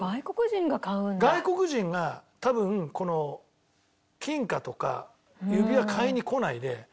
外国人が多分この金貨とか指輪買いに来ないで。